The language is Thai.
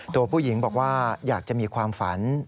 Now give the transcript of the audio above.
ตัวผู้หญิงบอกว่าอยากจะมีความฝัน